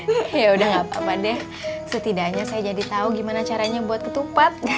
iya udah gak apa apa deh setidaknya saya jadi tahu gimana caranya buat ketupat